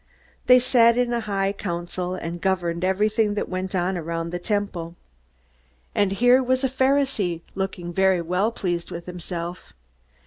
They sat in a high council and governed everything that went on around the Temple. And here was a Pharisee, looking very well pleased with himself!